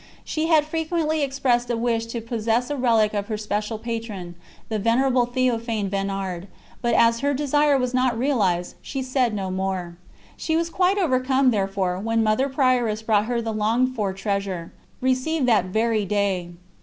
She had frequently expressed a wish to possess a relic of her special patron, the Venerable Théophane Vénard, but as her desire was not realised, she said no more. She was quite overcome, therefore, when Mother Prioress brought her the longed for treasure received that very day.